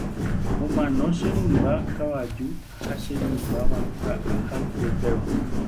omano che rymba kavaju ha che rymba vaka ahayhuetéva